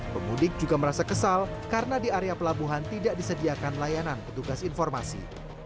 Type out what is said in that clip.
pemudik juga merasa kesal karena di area pelabuhan tidak disediakan layanan petugas informasi